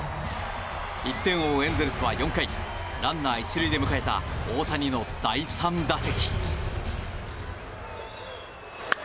１点を追うエンゼルスは４回ランナー１塁で迎えた大谷の第３打席。